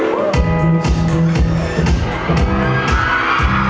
ไม่ต้องถามไม่ต้องถาม